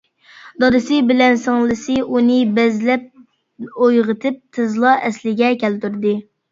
دادىسى بىلەن سىڭلىسى ئۇنى بەزلەپ ئويغىتىپ، تېزلا ئەسلىگە كەلتۈردى.